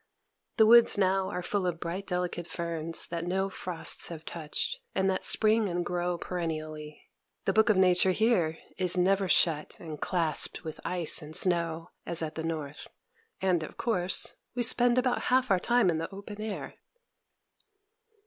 The woods now are full of bright, delicate ferns that no frosts have touched, and that spring and grow perennially. The book of Nature here is never shut and clasped with ice and snow as at the North; and, of course, we spend about half our time in the open air.